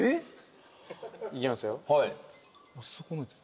いきますよ。